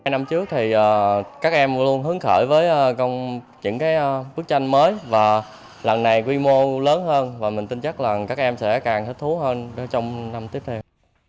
năm trước thì các em luôn hướng khởi với những bức tranh mới và lần này quy mô lớn hơn và mình tin chắc là các em sẽ càng thích thú hơn trong năm tiếp theo